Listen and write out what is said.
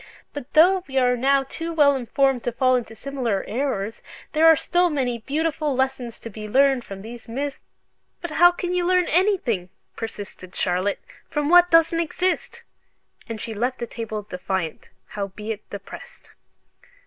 But though we are now too well informed to fall into similar errors, there are still many beautiful lessons to be learned from these myths " "But how can you learn anything," persisted Charlotte, "from what doesn't exist?" And she left the table defiant, howbeit depressed.